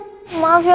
udah lanjutin lagi ya